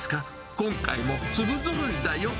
今回も粒ぞろいだよ。